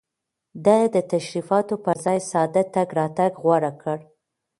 ده د تشريفاتو پر ځای ساده تګ راتګ غوره کړ.